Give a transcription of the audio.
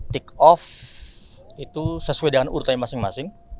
take off itu sesuai dengan urutannya masing masing